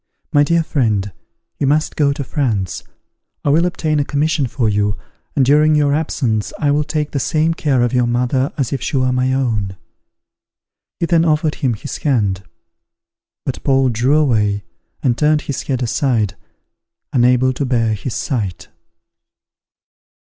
My dear friend, you must go to France; I will obtain a commission for you, and during your absence I will take the same care of your mother as if she were my own." He then offered him his hand; but Paul drew away and turned his head aside, unable to bear his sight.